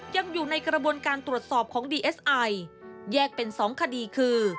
ยังอยู่ในกระบวนการตรวจสอบของดีเอสไอแยกเป็น๒คดีคือ